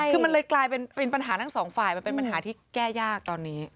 คือมันเลยกลายเป็นปัญหาทั้งสองฝ่ายมันเป็นปัญหาที่แก้ยากตอนนี้